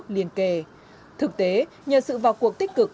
liên kề thực tế nhờ sự vào cuộc tích cực